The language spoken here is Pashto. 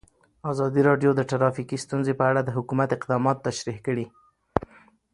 ازادي راډیو د ټرافیکي ستونزې په اړه د حکومت اقدامات تشریح کړي.